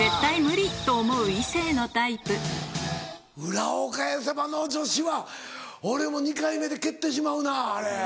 「裏を返せば」の女子は俺も２回目で蹴ってしまうなあれ。